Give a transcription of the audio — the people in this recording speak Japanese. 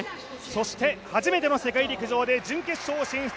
そして初めての世界陸上で準決勝進出。